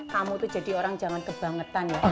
kamu tuh jadi orang jangan kebangetan ya